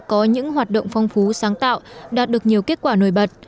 có những hoạt động phong phú sáng tạo đạt được nhiều kết quả nổi bật